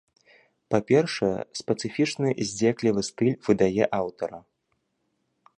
Па-першае, спецыфічны здзеклівы стыль выдае аўтара.